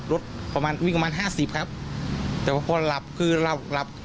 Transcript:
รถประมาณวิ่งประมาณห้าสิบครับแต่ว่าพอหลับคือหลับหลับ